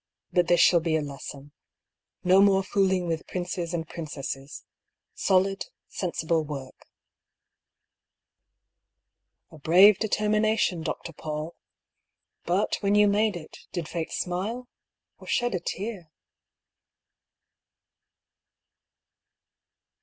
But this shall be a lesson. No more fooling with princes and princesses — solid, sensible work." A brave determination. Dr. PauU! But, when you made it, did Fate smile, or shed a tear